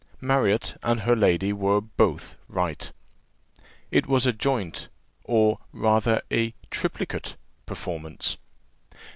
Marriott and her lady were both right. It was a joint, or rather a triplicate performance.